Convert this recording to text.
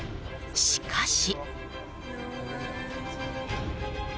しかし。